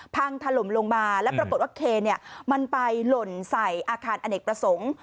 พังถล่มลงมาแล้วปรากฏว่าเคนมันไปหล่นใส่อาคารอเนกประสงค์